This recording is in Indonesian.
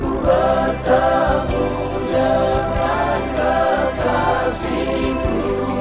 ku bertemu dengan kekasihku